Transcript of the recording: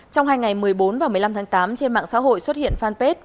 trong hai ngày một mươi bốn và một mươi năm tháng tám trên mạng xã hội xuất hiện fanpage